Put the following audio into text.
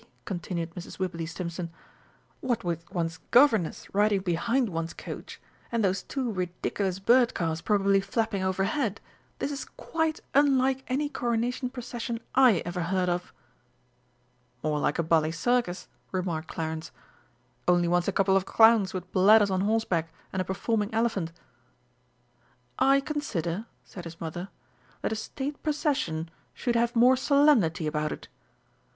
continued Mrs. Wibberley Stimpson, "what with one's governess riding behind one's coach, and those two ridiculous bird cars probably flapping overhead, this is quite unlike any Coronation Procession I ever heard of!" "More like a bally Circus," remarked Clarence. "Only wants a couple of clowns with bladders on horseback and a performing elephant." "I consider," said his mother, "that a State procession should have more solemnity about it....